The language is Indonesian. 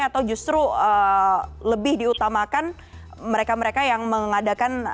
atau justru lebih diutamakan mereka mereka yang mengadakan